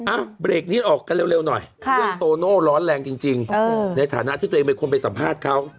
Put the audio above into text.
เบรกนี้ออกกันเร็วหน่อยเรื่องโตโน่ร้อนแรงจริงในฐานะที่ตัวเองเป็นคนไปสัมภาษณ์เขา